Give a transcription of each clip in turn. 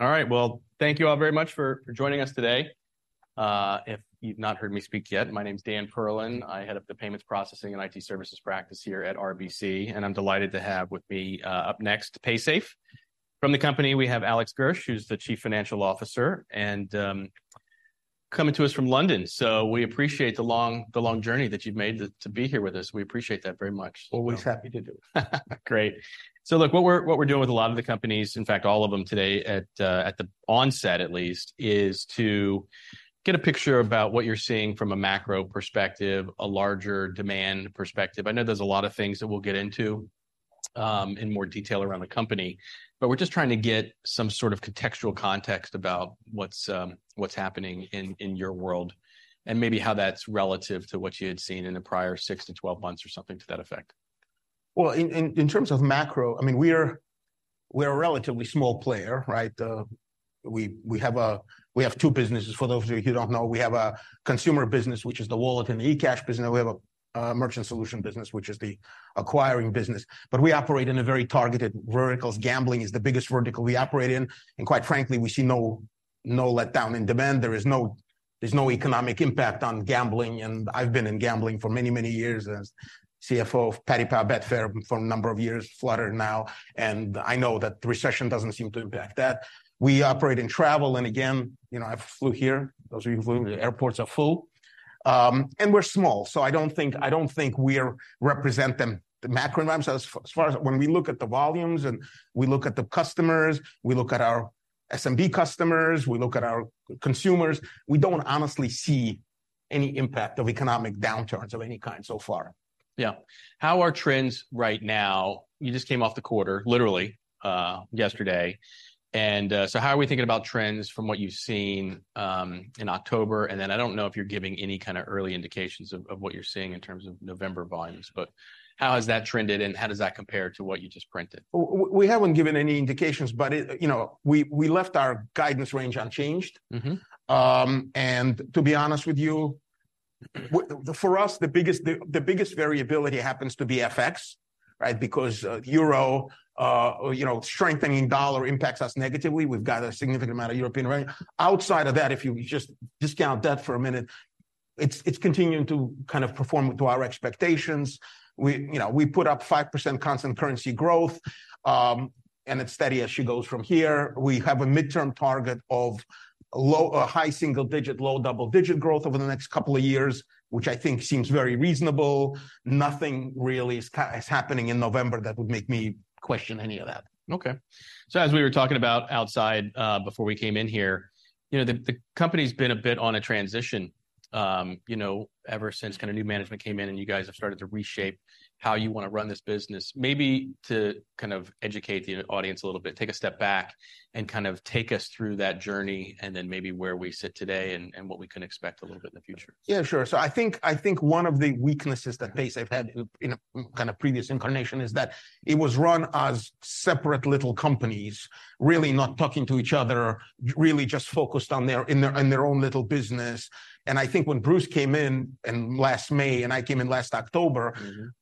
All right, well, thank you all very much for joining us today. If you've not heard me speak yet, my name's Dan Perlin. I head up the payments processing and IT services practice here at RBC, and I'm delighted to have with me up next, Paysafe. From the company, we have Alex Gersh, who's the Chief Financial Officer, and coming to us from London, so we appreciate the long journey that you've made to be here with us. We appreciate that very much. Always happy to do it. Great! So look, what we're, what we're doing with a lot of the companies, in fact, all of them today at, at the onset at least, is to get a picture about what you're seeing from a macro perspective, a larger demand perspective. I know there's a lot of things that we'll get into, in more detail around the company, but we're just trying to get some sort of contextual context about what's, what's happening in, in your world, and maybe how that's relative to what you had seen in the prior six to 12 months or something to that effect. Well, in terms of macro, I mean, we're a relatively small player, right? We have two businesses, for those of you who don't know. We have a consumer business, which is the wallet and eCash business, and we have a merchant solution business, which is the acquiring business. But we operate in very targeted verticals. Gambling is the biggest vertical we operate in, and quite frankly, we see no, no letdown in demand. There's no economic impact on gambling, and I've been in gambling for many, many years as CFO of Paddy Power Betfair for a number of years, Flutter now, and I know that recession doesn't seem to impact that. We operate in travel, and again, you know, I flew here. Those of you who flew, the airports are full. We're small, so I don't think we're representative of the macro environment as far as... When we look at the volumes and we look at the customers, we look at our SMB customers, we look at our consumers, we don't honestly see any impact of economic downturns of any kind so far. Yeah. How are trends right now? You just came off the quarter, literally, yesterday, and so how are we thinking about trends from what you've seen in October? And then I don't know if you're giving any kind of early indications of what you're seeing in terms of November volumes, but how has that trended, and how does that compare to what you just printed? We haven't given any indications, but it... You know, we left our guidance range unchanged. To be honest with you, for us, the biggest variability happens to be FX, right? Because euro, you know, strengthening dollar impacts us negatively. We've got a significant amount of European revenue. Outside of that, if you just discount that for a minute, it's continuing to kind of perform to our expectations. You know, we put up 5% constant currency growth, and it's steady as she goes from here. We have a midterm target of low high single digit, low double digit growth over the next couple of years, which I think seems very reasonable. Nothing really is happening in November that would make me question any of that. Okay. So as we were talking about outside, before we came in here, you know, the company's been a bit on a transition, you know, ever since kind of new management came in, and you guys have started to reshape how you want to run this business. Maybe to kind of educate the audience a little bit, take a step back and kind of take us through that journey, and then maybe where we sit today and what we can expect a little bit in the future. Yeah, sure. So I think one of the weaknesses that Paysafe had in a kind of previous incarnation is that it was run as separate little companies, really not talking to each other, really just focused on their own little business. And I think when Bruce came in last May, and I came in last October.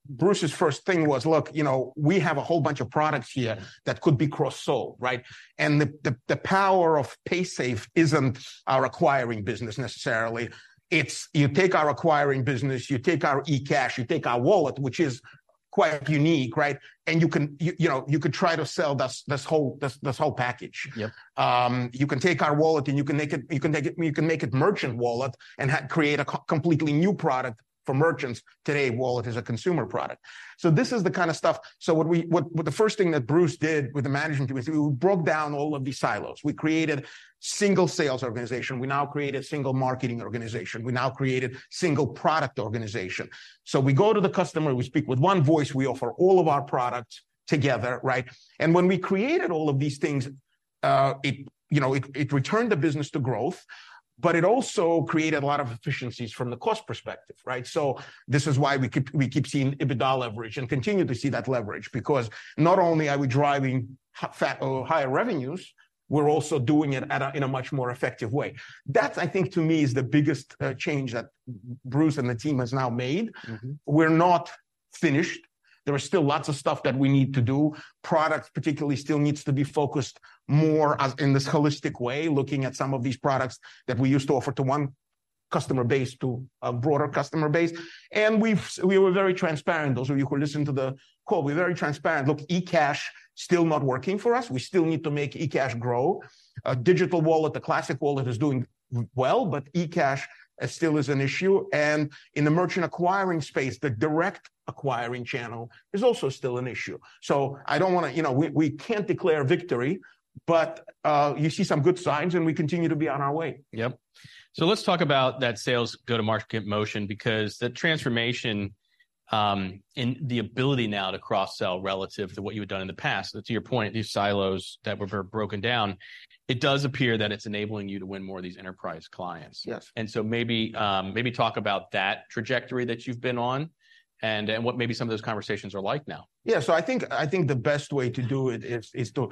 Bruce's first thing was, "Look, you know, we have a whole bunch of products here that could be cross-sold," right? And the power of Paysafe isn't our acquiring business necessarily. It's you take our acquiring business, you take our eCash, you take our wallet, which is quite unique, right? And you can, you know, you could try to sell this whole package. Yep. You can take our wallet, and you can make it merchant wallet and create a completely new product for merchants. Today, wallet is a consumer product. So this is the kind of stuff... So what the first thing that Bruce did with the management team is we broke down all of these silos. We created single sales organization. We now created single marketing organization. We now created single product organization. So we go to the customer, we speak with one voice, we offer all of our products together, right? And when we created all of these things, it, you know, it returned the business to growth, but it also created a lot of efficiencies from the cost perspective, right? So this is why we keep, we keep seeing EBITDA leverage and continue to see that leverage. Because not only are we driving higher revenues, we're also doing it at a, in a much more effective way. That, I think, to me, is the biggest change that Bruce and the team has now made. We're not finished. There is still lots of stuff that we need to do. Products particularly still needs to be focused more as in this holistic way, looking at some of these products that we used to offer to one customer base to a broader customer base. And we were very transparent. Those of you who listen to the call, we're very transparent. Look, eCash, still not working for us. We still need to make eCash grow. Digital wallet, the classic wallet, is doing well, but eCash still is an issue. And in the merchant acquiring space, the direct acquiring channel is also still an issue. So I don't wanna... You know, we can't declare victory, but you see some good signs, and we continue to be on our way. Yep. So let's talk about that sales go-to-market motion, because the transformation, and the ability now to cross-sell relative to what you had done in the past, to your point, these silos that were broken down, it does appear that it's enabling you to win more of these enterprise clients. Yes. So maybe talk about that trajectory that you've been on and what some of those conversations are like now. Yeah, so I think the best way to do it is to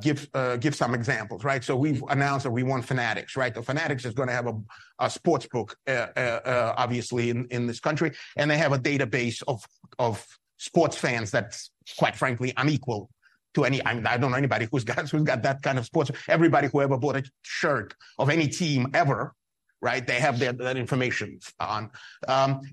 give some examples, right? So we've announced that we won Fanatics, right? So Fanatics is going to have a sportsbook, obviously, in this country, and they have a database of sports fans that's, quite frankly, unequal to any. I don't know anybody who's got that kind of sports. Everybody who ever bought a shirt of any team ever, right? They have that information on.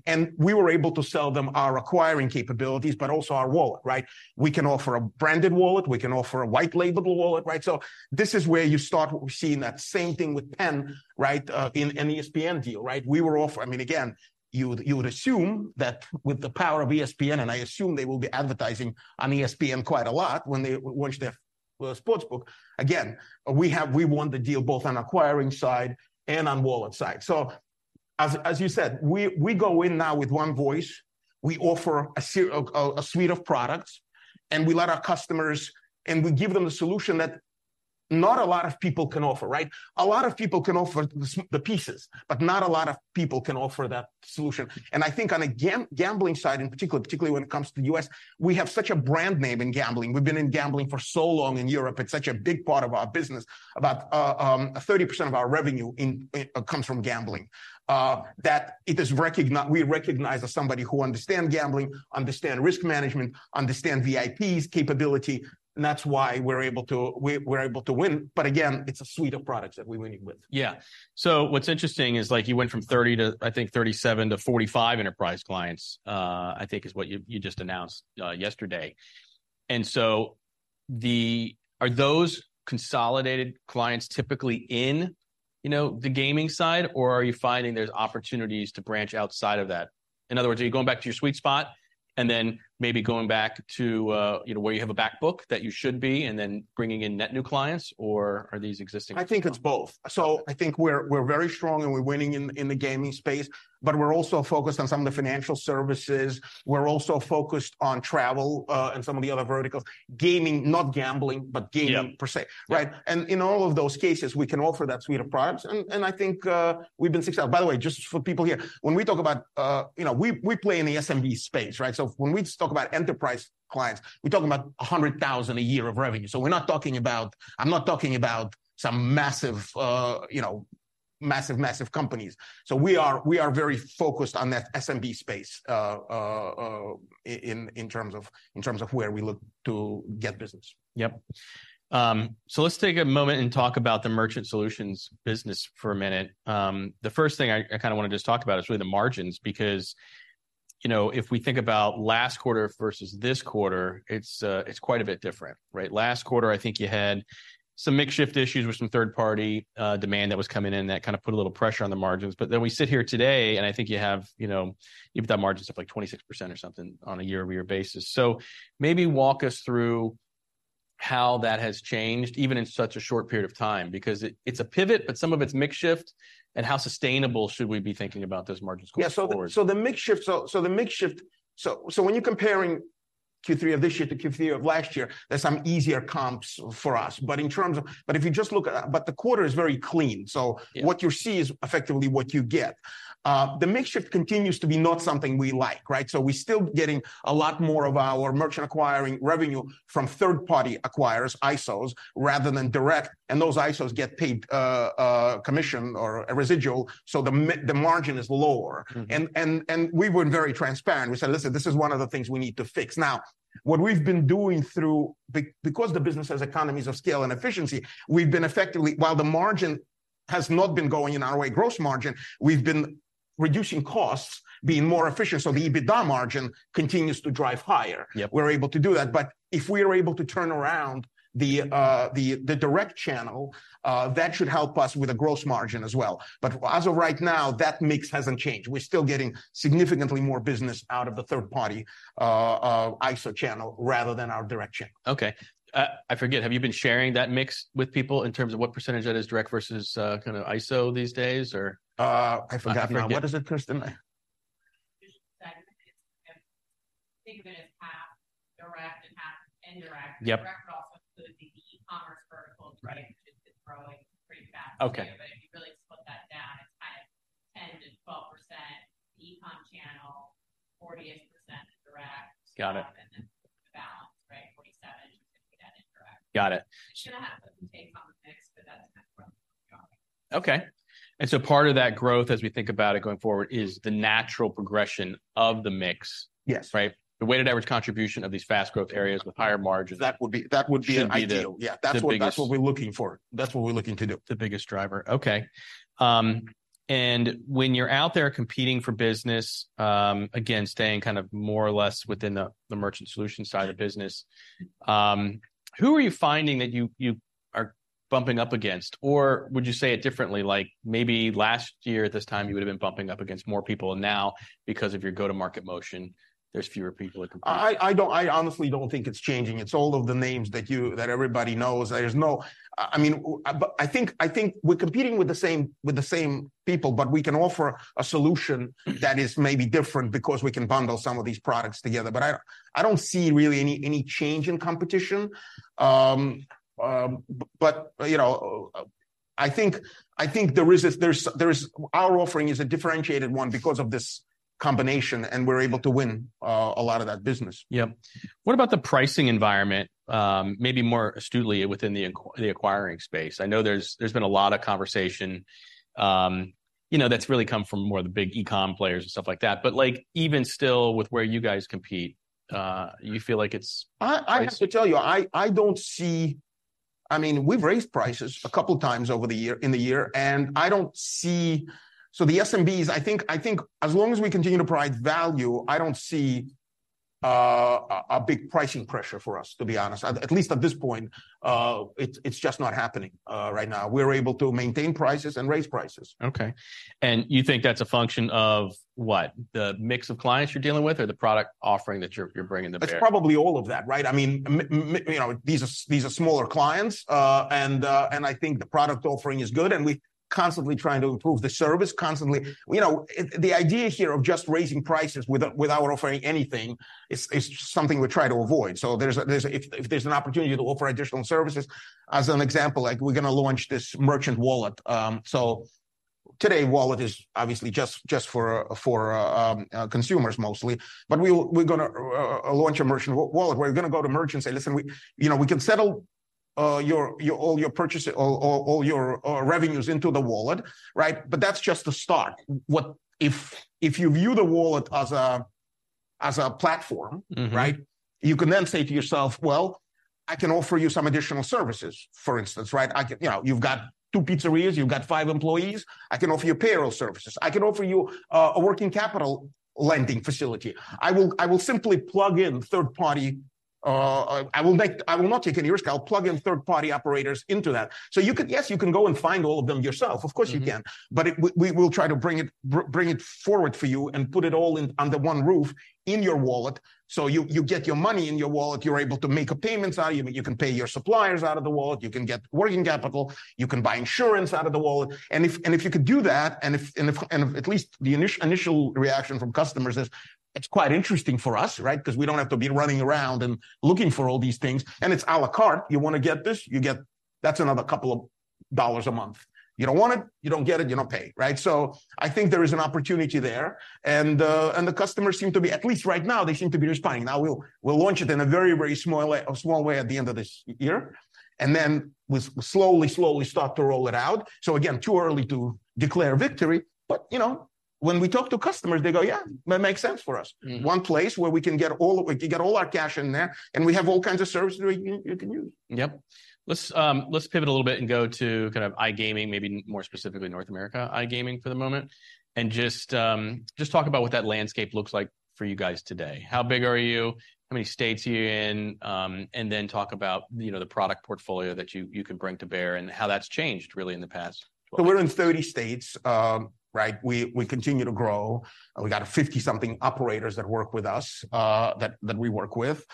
And we were able to sell them our acquiring capabilities, but also our wallet, right? We can offer a branded wallet, we can offer a white-labelable wallet, right? So this is where you start seeing that same thing with PENN, right, in the ESPN deal, right? We were offered—I mean, again, you would, you would assume that with the power of ESPN, and I assume they will be advertising on ESPN quite a lot when they launch their sportsbook. Again, we won the deal both on acquiring side and on wallet side. So as you said, we go in now with one voice. We offer a suite of products, and we let our customers and we give them a solution that not a lot of people can offer, right? A lot of people can offer the pieces, but not a lot of people can offer that solution. And I think on a gambling side, in particular, particularly when it comes to the U.S., we have such a brand name in gambling. We've been in gambling for so long in Europe, it's such a big part of our business. About 30% of our revenue comes from gambling. We recognize as somebody who understand gambling, understand risk management, understand VIPs capability, and that's why we're able to win. But again, it's a suite of products that we're winning with. Yeah. So what's interesting is like you went from 30 to, I think, 37 to 45 enterprise clients, I think is what you just announced yesterday. And so... Are those consolidated clients typically in, you know, the gaming side, or are you finding there's opportunities to branch outside of that? In other words, are you going back to your sweet spot, and then maybe going back to, you know, where you have a back book that you should be, and then bringing in net new clients, or are these existing clients? I think it's both. So I think we're very strong and we're winning in the gaming space, but we're also focused on some of the financial services. We're also focused on travel, and some of the other verticals. Gaming, not gambling, but gaming per se. Yeah. Right? In all of those cases, we can offer that suite of products. And I think we've been successful. By the way, just for people here, when we talk about, you know, we play in the SMB space, right? So when we talk about enterprise clients, we're talking about $100,000 a year of revenue. So we're not talking about—I'm not talking about some massive, you know, massive companies. So we are very focused on that SMB space, in terms of where we look to get business. Yep. So let's take a moment and talk about the merchant solutions business for a minute. The first thing I kinda wanna just talk about is really the margins, because, you know, if we think about last quarter versus this quarter, it's, it's quite a bit different, right? Last quarter, I think you had some mix shift issues with some third-party demand that was coming in, that kind of put a little pressure on the margins. But then we sit here today, and I think you have, you know, you've done margins of, like, 26% or something on a year-over-year basis. So maybe walk us through how that has changed, even in such a short period of time. Because it's a pivot, but some of it's mix shift, and how sustainable should we be thinking about those margins going forward? Yeah, so the mix shift. So when you're comparing Q3 of this year to Q3 of last year, there's some easier comps for us. But in terms of, but if you just look at, but the quarter is very clean. So what you see is effectively what you get. The mix shift continues to be not something we like, right? So we're still getting a lot more of our merchant acquiring revenue from third-party acquirers, ISOs, rather than direct, and those ISOs get paid commission or a residual, so the margin is lower. We were very transparent. We said, "Listen, this is one of the things we need to fix." Now, what we've been doing because the business has economies of scale and efficiency, we've been while the margin has not been going in our way, gross margin, we've been reducing costs, being more efficient, so the EBITDA margin continues to drive higher. We're able to do that. But if we are able to turn around the direct channel, that should help us with the gross margin as well. But as of right now, that mix hasn't changed. We're still getting significantly more business out of the third-party ISO channel, rather than our direct channel. Okay. I forget, have you been sharing that mix with people in terms of what percentage that is direct versus, kind of ISO these days, or? I forgot now. Okay, forget. What is it, Kirsten? Just segment, it's think of it as half direct and half indirect. Yep. Direct would also include the e-commerce verticals, right? Which is growing pretty fast too. Okay. But if you really split that down, it's kind of 10%-12% e-com channel, 48% indirect. Got it. And then the balance, right, 47, 50, that indirect. Got it. It should have some take on the mix, but that's not from... Okay. And so part of that growth, as we think about it going forward, is the natural progression of the mix. Yes. Right? The weighted average contribution of these fast growth areas with higher margins- That would be, that would be ideal.… should be the- Yeah. The biggest- That's what, that's what we're looking for. That's what we're looking to do. The biggest driver. Okay. And when you're out there competing for business, again, staying kind of more or less within the, the merchant solutions side of business who are you finding that you, you are bumping up against? Or would you say it differently, like maybe last year at this time, you would've been bumping up against more people, and now because of your go-to-market motion, there's fewer people that compete? I honestly don't think it's changing. It's all of the names that you, that everybody knows. There's no... I mean, but I think we're competing with the same people, but we can offer a solution that is maybe different, because we can bundle some of these products together. But I don't see really any change in competition. But you know, I think there is... Our offering is a differentiated one because of this combination, and we're able to win a lot of that business. Yep. What about the pricing environment, maybe more astutely within the acquiring space? I know there's been a lot of conversation, you know, that's really come from more the big e-com players and stuff like that. But, like, even still with where you guys compete, you feel like it's- I have to tell you, I mean, we've raised prices a couple times over the year, in the year, and so the SMBs, I think as long as we continue to provide value, I don't see a big pricing pressure for us, to be honest. At least at this point, it's just not happening right now. We're able to maintain prices and raise prices. Okay. You think that's a function of what? The mix of clients you're dealing with or the product offering that you're bringing to bear? It's probably all of that, right? I mean, you know, these are smaller clients. And I think the product offering is good, and we constantly trying to improve the service, constantly. You know, the idea here of just raising prices without offering anything is something we try to avoid. So there's a—if there's an opportunity to offer additional services, as an example, like we're gonna launch this merchant wallet. So today, wallet is obviously just for consumers mostly. But we're gonna launch a merchant wallet, where we're gonna go to merchant and say, "Listen, you know, we can settle your all your purchases or all your revenues into the wallet," right? But that's just the start. If you view the wallet as a platform right, you can then say to yourself, "Well, I can offer you some additional services," for instance, right? I can... You know, "You've got two pizzerias, you've got five employees, I can offer you payroll services. I can offer you a working capital lending facility. I will, I will simply plug in third-party, I will not take any risk. I'll plug in third-party operators into that." So you could, yes, you can go and find all of them yourself, of course you can. But we'll try to bring it forward for you and put it all in under one roof in your wallet, so you get your money in your wallet, you're able to make payments out of it, you can pay your suppliers out of the wallet, you can get working capital, you can buy insurance out of the wallet. And if you could do that, and if at least the initial reaction from customers is, "It's quite interesting for us," right? "'Cause we don't have to be running around and looking for all these things." And it's à la carte. You wanna get this, you get... That's another couple of dollars a month. You don't want it, you don't get it, you don't pay, right? So I think there is an opportunity there, and, and the customers seem to be, at least right now, they seem to be responding. Now, we'll, we'll launch it in a very, very small way, a small way at the end of this year, and then we'll slowly, slowly start to roll it out. So again, too early to declare victory but, you know, when we talk to customers, they go, "Yeah, that makes sense for us. One place where we can get all our cash in there, and we have all kinds of services we can use. Yep. Let's pivot a little bit and go to kind of iGaming, maybe more specifically North America iGaming for the moment. And just talk about what that landscape looks like for you guys today. How big are you? How many states are you in? And then talk about, you know, the product portfolio that you can bring to bear, and how that's changed, really, in the past 12 months. We're in 30 states, right? We continue to grow, and we've got 50-something operators that work with us, that we work with.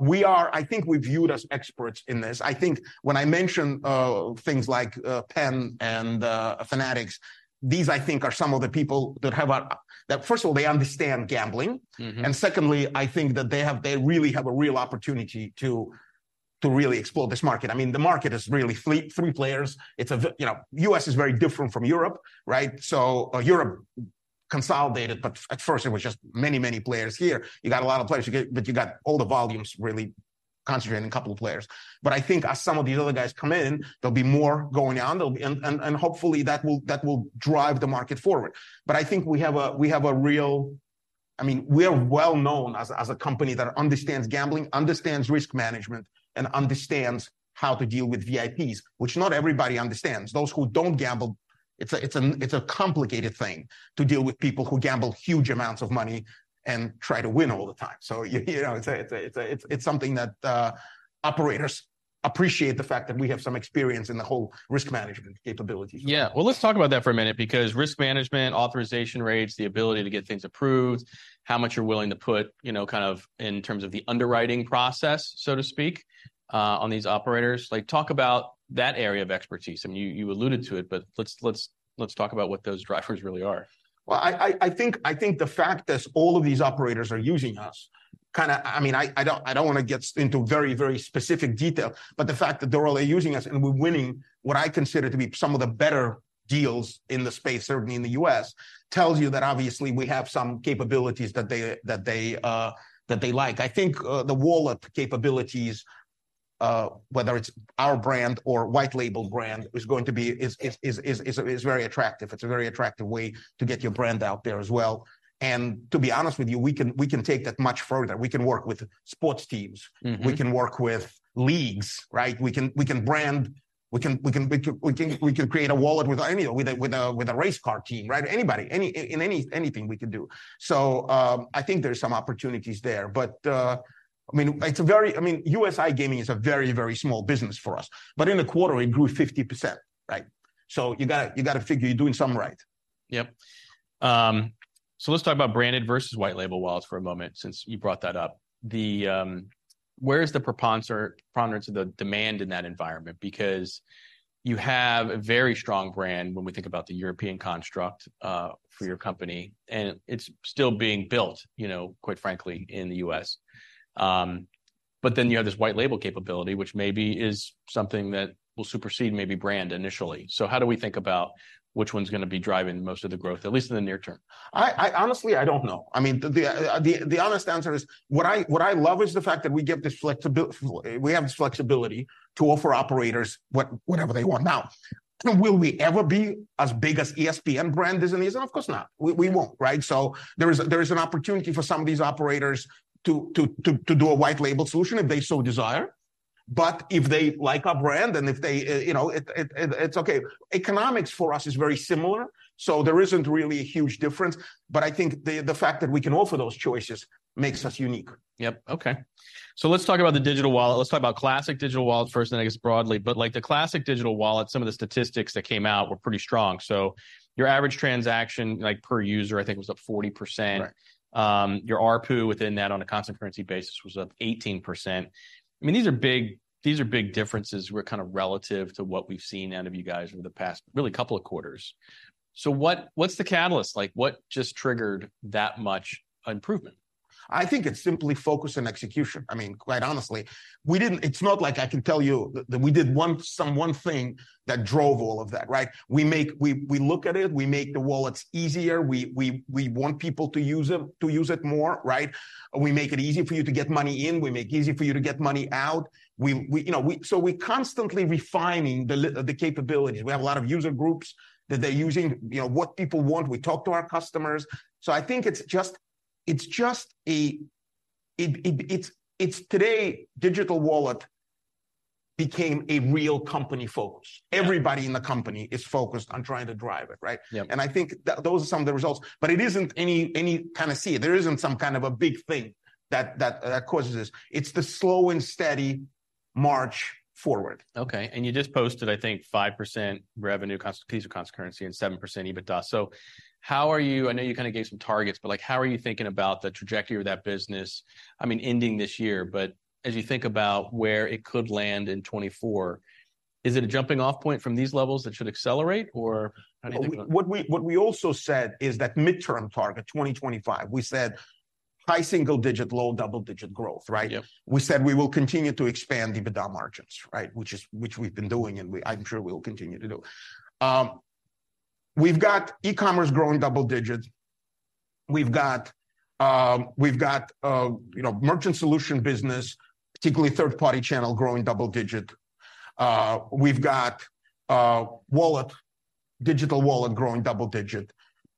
We are, I think we're viewed as experts in this. I think when I mention, things like, PENN and, Fanatics, these, I think, are some of the people that have a... That first of all, they understand gambling. And secondly, I think that they really have a real opportunity to really explore this market. I mean, the market is really fledgling, three players. It's you know, U.S. is very different from Europe, right? So, Europe consolidated, but at first it was just many, many players. Here, you got a lot of players, but you got all the volumes really concentrated in a couple of players. But I think as some of these other guys come in, there'll be more going on, there'll be. And hopefully, that will drive the market forward. But I think we have a real. I mean, we're well-known as a company that understands gambling, understands risk management, and understands how to deal with VIPs, which not everybody understands. Those who don't gamble, it's a complicated thing to deal with people who gamble huge amounts of money and try to win all the time. So, you know, it's something that operators appreciate the fact that we have some experience in the whole risk management capabilities. Yeah. Well, let's talk about that for a minute, because risk management, authorization rates, the ability to get things approved, how much you're willing to put, you know, kind of in terms of the underwriting process, so to speak, on these operators. Like, talk about that area of expertise. I mean, you alluded to it, but let's talk about what those drivers really are. Well, I think the fact that all of these operators are using us, kinda... I mean, I don't wanna get into very, very specific detail, but the fact that they're all using us and we're winning what I consider to be some of the better deals in the space, certainly in the U.S., tells you that obviously we have some capabilities that they like. I think the wallet capabilities, whether it's our brand or white label brand, is going to be very attractive. It's a very attractive way to get your brand out there as well. And to be honest with you, we can take that much further. We can work with sports teams. We can work with leagues, right? We can brand, we can create a wallet with any-with a race car team, right? Anybody. Anything we can do. So, I think there are some opportunities there. But, I mean, it's a very, I mean, U.S. iGaming is a very, very small business for us, but in a quarter, it grew 50%, right? So you gotta figure you're doing something right. Yep. So let's talk about branded versus white label wallets for a moment, since you brought that up. Where is the preponderance of the demand in that environment? Because you have a very strong brand when we think about the European construct for your company, and it's still being built, you know, quite frankly, in the U.S. But then you have this white label capability, which maybe is something that will supersede maybe brand initially. So how do we think about which one's gonna be driving most of the growth, at least in the near term? I honestly don't know. I mean, the honest answer is, what I love is the fact that we give this flexibi- we have this flexibility to offer operators whatever they want. Now, will we ever be as big as ESPN brand is in this? Of course not. We won't, right? So there is an opportunity for some of these operators to do a white Label solution if they so desire... but if they like our brand, then if they, you know, it's okay. Economics for us is very similar, so there isn't really a huge difference, but I think the fact that we can offer those choices makes us unique. Yep, okay. Let's talk about the digital wallet. Let's talk about classic digital wallet first, and then I guess broadly. But, like, the classic digital wallet, some of the statistics that came out were pretty strong. So your average transaction, like, per user, I think, was up 40%. Right. Your ARPU within that on a constant currency basis was up 18%. I mean, these are big, these are big differences, we're kind of relative to what we've seen out of you guys over the past really couple of quarters. So what, what's the catalyst? Like, what just triggered that much improvement? I think it's simply focus and execution. I mean, quite honestly, we didn't... It's not like I can tell you that we did one something that drove all of that, right? We look at it, we make the wallets easier, we want people to use it, to use it more, right? We make it easy for you to get money in, we make easy for you to get money out. You know, we're constantly refining the capabilities. We have a lot of user groups, that they're using, you know, what people want. We talk to our customers. So I think it's just that today, digital wallet became a real company focus. Everybody in the company is focused on trying to drive it, right? Yep. I think that those are some of the results, but it isn't any kind of sea change. There isn't some kind of a big thing that causes this. It's the slow and steady march forward. Okay. And you just posted, I think, 5% revenue constant currency and 7% EBITDA. So how are you... I know you kind of gave some targets, but, like, how are you thinking about the trajectory of that business, I mean, ending this year, but as you think about where it could land in 2024, is it a jumping-off point from these levels that should accelerate, or how do you think about it? What we also said is that mid-term target, 2025, we said high single-digit, low double-digit growth, right? Yep. We said we will continue to expand the EBITDA margins, right? Which is- which we've been doing, and we- I'm sure we'll continue to do. We've got e-commerce growing double digits. We've got, we've got, you know, merchant solution business, particularly third-party channel, growing double digit. We've got, wallet, digital wallet growing double digit.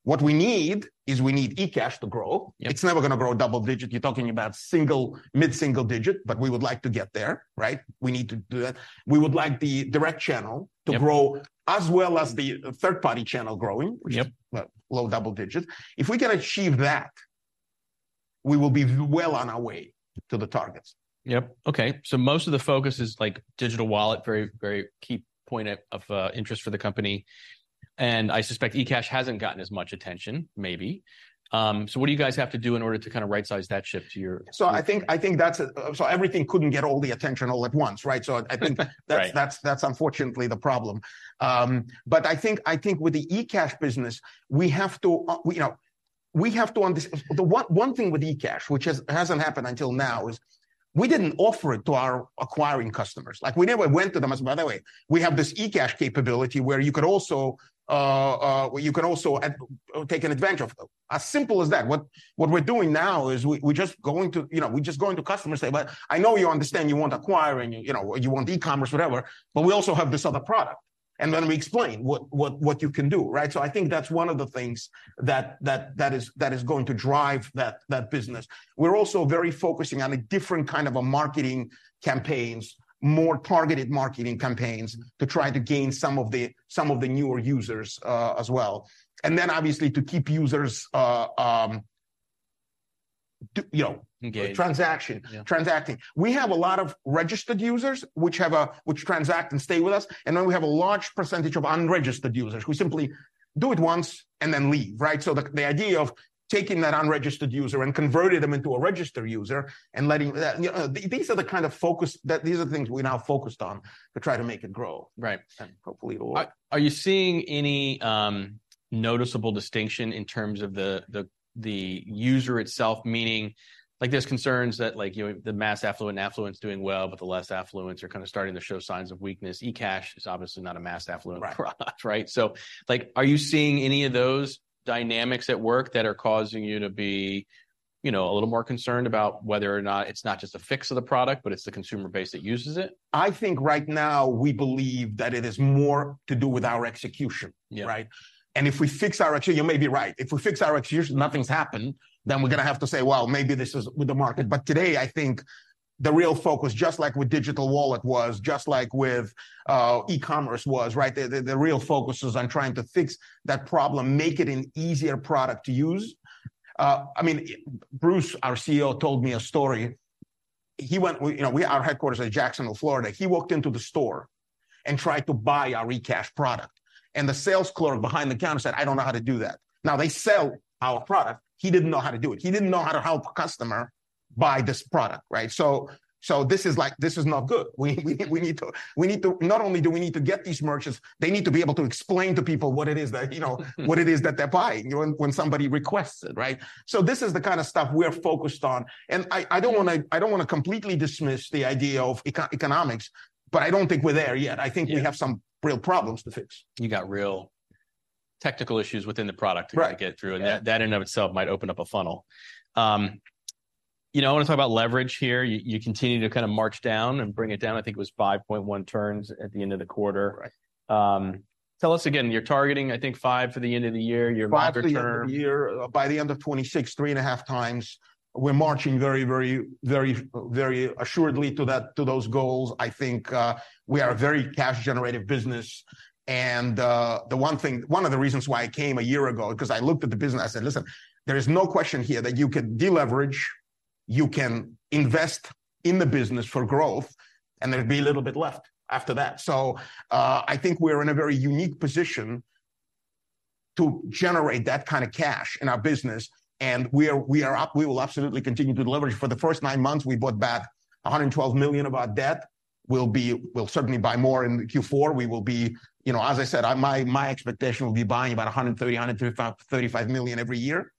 What we need is we need eCash to grow. It's never gonna grow double-digit. You're talking about single, mid-single-digit, but we would like to get there, right? We need to do that. We would like the direct channel to grow, as well as the third-party channel growing which is low double digits. If we can achieve that, we will be well on our way to the targets. Yep, okay. So most of the focus is, like, digital wallet, very, very key point of interest for the company. And I suspect eCash hasn't gotten as much attention, maybe. So what do you guys have to do in order to kind of rightsize that ship to your- So I think that's so everything couldn't get all the attention all at once, right? So I think- Right... that's, that's unfortunately the problem. But I think, I think with the eCash business, we have to, you know, we have to the one, one thing with eCash, which hasn't happened until now, is we didn't offer it to our acquiring customers. Like, we never went to them and said, "By the way, we have this eCash capability, where you could also, where you can also take an advantage of." As simple as that. What, what we're doing now is we're just going to, you know, we're just going to customers say, "Well, I know you understand you want acquiring, and, you know, you want e-commerce, whatever, but we also have this other product." And then we explain what, what, what you can do, right? So I think that's one of the things that is going to drive that business. We're also very focusing on a different kind of a marketing campaigns, more targeted marketing campaigns, to try to gain some of the newer users, as well. And then obviously to keep users, to you know transaction. Engaged. Yeah Transacting. We have a lot of registered users, which transact and stay with us, and then we have a large percentage of unregistered users, who simply do it once and then leave, right? So the idea of taking that unregistered user and converting them into a registered user and letting that... You know, these are the kind of focus, that these are the things we're now focused on to try to make it grow. Right. Hopefully it will work. Are you seeing any noticeable distinction in terms of the user itself? Meaning, like, there's concerns that, like, you know, the mass affluent and affluent is doing well, but the less affluents are kind of starting to show signs of weakness. eCash is obviously not a mass affluent product, right? Right. So, like, are you seeing any of those dynamics at work that are causing you to be, you know, a little more concerned about whether or not it's not just a fix of the product, but it's the consumer base that uses it? I think right now we believe that it is more to do with our execution. Yeah. Right? And if we fix our execution, you may be right. If we fix our execution, nothing's happened, then we're gonna have to say, "Well, maybe this is with the market." But today, I think the real focus, just like with digital wallet was, just like with, e-commerce was, right, the, the, the real focus is on trying to fix that problem, make it an easier product to use. I mean, Bruce, our CEO, told me a story. He went... We, you know, we, our headquarters are in Jacksonville, Florida. He walked into the store and tried to buy our eCash product, and the sales clerk behind the counter said, "I don't know how to do that." Now, they sell our product. He didn't know how to do it. He didn't know how to help a customer buy this product, right? So this is like, this is not good. We need to not only get these merchants, they need to be able to explain to people what it is that, you know, what it is that they're buying, you know, when somebody requests it, right? So this is the kind of stuff we're focused on. And I don't wanna completely dismiss the idea of economics, but I don't think we're there yet. Yeah. I think we have some real problems to fix. You got real technical issues within the product to get through, and that that in and of itself might open up a funnel. You know, I wanna talk about leverage here. You, you continue to kind of march down and bring it down. I think it was 5.1 turns at the end of the quarter. Right. Tell us again, you're targeting, I think, five for the end of the year, your longer term- By the end of the year, by the end of 2026, 3.5 times... we're marching very, very, very, very assuredly to that, to those goals. I think, we are a very cash-generative business, and, the one thing, one of the reasons why I came a year ago, 'cause I looked at the business, I said, "Listen, there is no question here that you could de-leverage, you can invest in the business for growth, and there'd be a little bit left after that." So, I think we're in a very unique position to generate that kind of cash in our business, and we are, we will absolutely continue to deleverage. For the first nine months, we bought back $112 million of our debt. We'll certainly buy more in Q4. We will be... You know, as I said, I, my, my expectation will be buying about $130 million-$135 million every year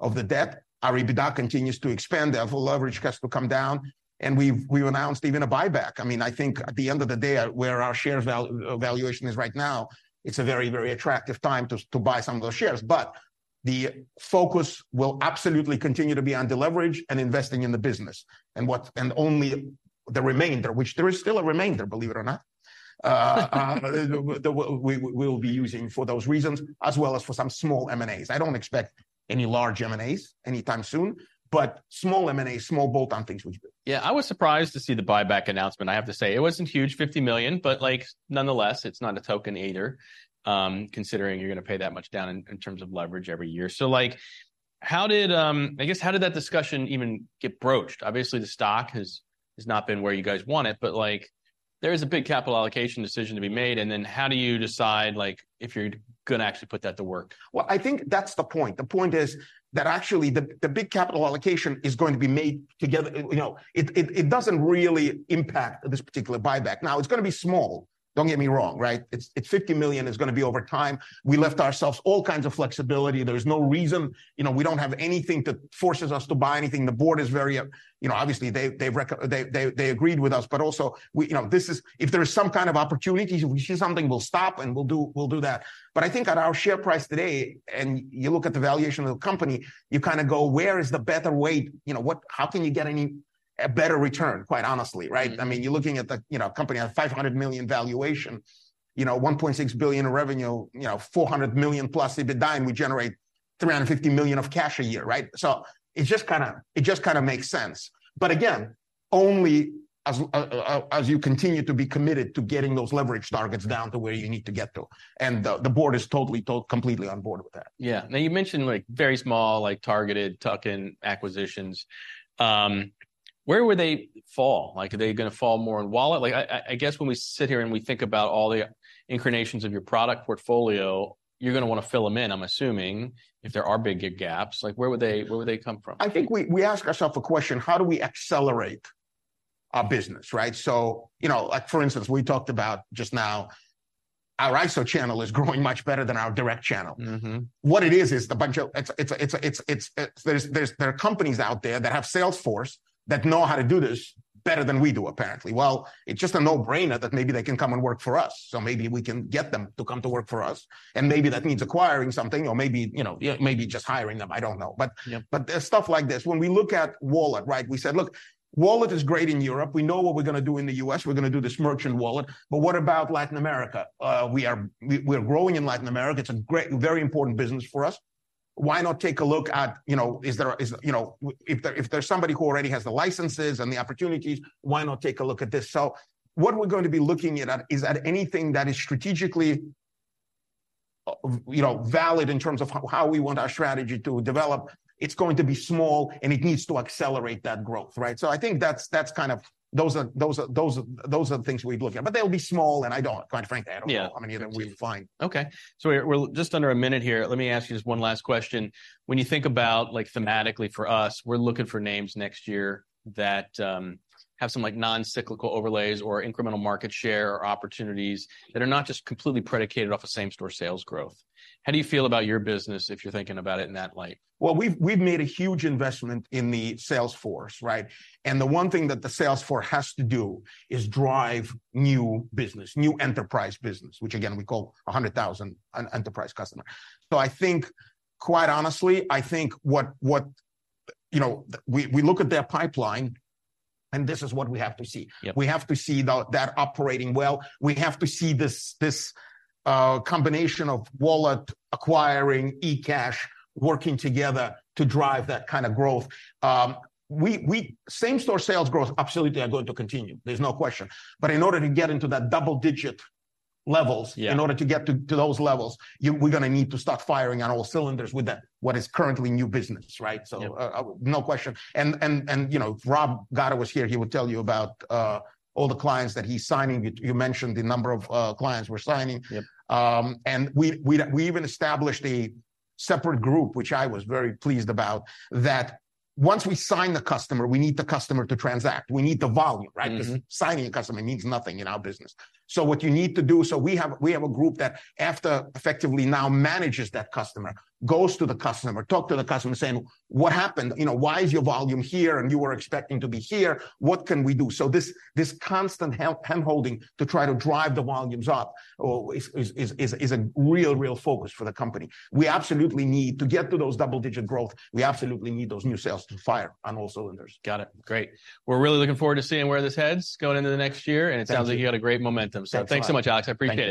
of the debt. Our EBITDA continues to expand, our full leverage cash will come down, and we've, we've announced even a buyback. I mean, I think at the end of the day, where our share valuation is right now, it's a very, very attractive time to, to buy some of those shares. But the focus will absolutely continue to be on deleverage and investing in the business, and what... And only the remainder, which there is still a remainder, believe it or not, that we, we, we'll be using for those reasons, as well as for some small M&As. I don't expect any large M&As anytime soon, but small M&A, small bolt-on things we do. Yeah, I was surprised to see the buyback announcement, I have to say. It wasn't huge, $50 million, but, like, nonetheless, it's not a token either, considering you're gonna pay that much down in terms of leverage every year. So, like, I guess, how did that discussion even get broached? Obviously, the stock has not been where you guys want it, but, like, there's a big capital allocation decision to be made, and then how do you decide, like, if you're gonna actually put that to work? Well, I think that's the point. The point is that actually, the big capital allocation is going to be made together. You know, it doesn't really impact this particular buyback. Now, it's gonna be small. Don't get me wrong, right? It's $50 million, it's gonna be over time. We left ourselves all kinds of flexibility. There is no reason, you know, we don't have anything that forces us to buy anything. The board is very. You know, obviously, they agreed with us, but also we, you know, this is. If there is some kind of opportunity, if we see something, we'll stop, and we'll do that. But I think at our share price today, and you look at the valuation of the company, you kind of go, where is the better way? You know, how can you get a better return, quite honestly, right? I mean, you're looking at the, you know, company at $500 million valuation, you know, $1.6 billion in revenue, you know, $400 million+ EBITDA, and we generate $350 million of cash a year, right? So it just kinda, it just kinda makes sense. But again, only as, as you continue to be committed to getting those leverage targets down to where you need to get to, and the, the board is totally, completely on board with that. Yeah. Now, you mentioned, like, very small, like, targeted tuck-in acquisitions. Where would they fall? Like, are they gonna fall more in wallet... Like, I guess when we sit here and we think about all the incarnations of your product portfolio, you're gonna wanna fill them in, I'm assuming, if there are big, big gaps. Like, where would they, where would they come from? I think we ask ourselves a question: How do we accelerate our business, right? So, you know, like for instance, we talked about just now, our ISO channel is growing much better than our direct channel. What it is is the bunch of... There are companies out there that have sales force that know how to do this better than we do, apparently. Well, it's just a no-brainer that maybe they can come and work for us, so maybe we can get them to come to work for us, and maybe that means acquiring something or maybe, you know, yeah, maybe just hiring them, I don't know. Yeah. But there's stuff like this. When we look at wallet, right, we said, "Look, wallet is great in Europe. We know what we're gonna do in the U.S. We're gonna do this merchant wallet. But what about Latin America?" We are, we're growing in Latin America. It's a great, very important business for us. Why not take a look at, you know, is there, you know, if there's somebody who already has the licenses and the opportunities, why not take a look at this? So what we're going to be looking at is anything that is strategically, you know, valid in terms of how we want our strategy to develop. It's going to be small, and it needs to accelerate that growth, right? So I think that's kind of... Those are the things we've looked at. But they'll be small, and, quite frankly, I don't know how many that we'll find. Okay. So we're just under a minute here. Let me ask you just one last question. When you think about, like, thematically for us, we're looking for names next year that have some, like, non-cyclical overlays or incremental market share or opportunities that are not just completely predicated off the same-store sales growth. How do you feel about your business if you're thinking about it in that light? Well, we've made a huge investment in the sales force, right? And the one thing that the sales force has to do is drive new business, new enterprise business, which again, we call 100,000 an enterprise customer. So I think, quite honestly, I think what... You know, we look at their pipeline, and this is what we have to see. We have to see that operating well. We have to see this combination of wallet acquiring, eCash working together to drive that kind of growth. We same-store sales growth absolutely are going to continue, there's no question. But in order to get into that double-digit levels in order to get to, to those levels, we're gonna need to start firing on all cylinders with the, what is currently new business, right? Yeah. So, no question. And, you know, if Rob Gatto was here, he would tell you about all the clients that he's signing. You mentioned the number of clients we're signing. Yep. And we even established a separate group, which I was very pleased about, that once we sign the customer, we need the customer to transact. We need the volume, right? Because signing a customer means nothing in our business. So what you need to do, so we have a group that after effectively now manages that customer, goes to the customer, talk to the customer saying, "What happened? You know, why is your volume here and you were expecting to be here? What can we do?" So this constant handholding to try to drive the volumes up is a real focus for the company. We absolutely need to get to those double-digit growth, we absolutely need those new sales to fire on all cylinders. Got it. Great. We're really looking forward to seeing where this heads going into the next year and it sounds like you got a great momentum. Thank you. That's right. Thanks so much, Alex, I appreciate it.